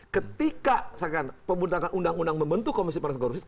ketika pembentakan undang undang membentuk komisi penyidikan penuntutan